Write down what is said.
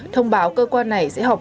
thông báo cơ quan này sẽ học